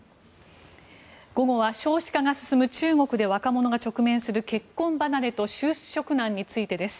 午後は少子化が進む中国で若者が直面する結婚離れと就職難についてです。